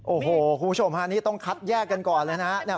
โอ้โหคุณผู้ชมฮะนี่ต้องคัดแยกกันก่อนเลยนะครับ